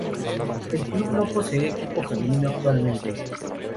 El Club no posee equipo femenino actualmente.